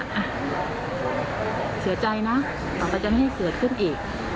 อ่ะเสียใจนะกับมันจะไม่ให้เกิดขึ้นอีก